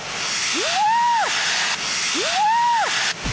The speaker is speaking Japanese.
うわ！